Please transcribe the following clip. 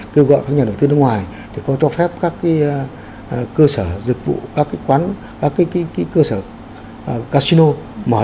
kêu gọi các nhà đầu tư nước ngoài để có cho phép các cơ sở dịch vụ các cái quán các cái cơ sở casino mở ra